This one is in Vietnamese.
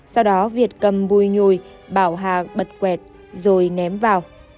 sau đó việt cầm bùi nhùi bảo hà bật quẹt rồi ném vào